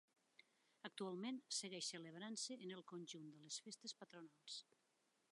Actualment segueix celebrant-se en el conjunt de les Festes Patronals.